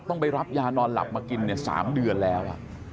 ไปรับยานอนหลับมากิน๓เดือนแล้ว